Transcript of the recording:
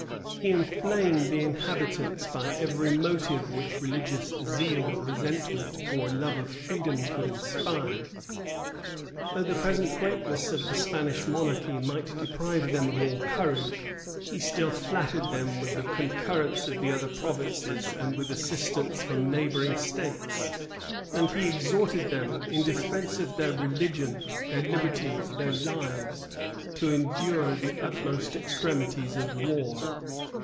He inflamed the inhabitants by every motive which religious zeal, resentment, or love of freedom could inspire. Though the present greatness of the Spanish monarchy might deprive them of all courage, he still flattered them with the concurrence of the other provinces, and with assistance from neighboring states; and he exhorted them, in defence of their religion, their liberties, their lives, to endure the utmost extremities of war.